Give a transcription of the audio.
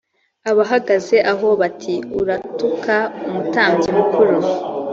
abahagaze aho bati “uratuka umutambyi mukuru…”